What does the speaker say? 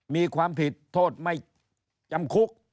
มีความผิดโทษไม่จำคุก